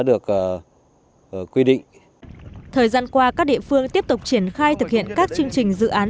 được quy định thời gian qua các địa phương tiếp tục triển khai thực hiện các chương trình dự án